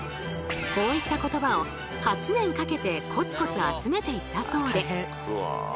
こういった言葉を８年かけてコツコツ集めていったそうで。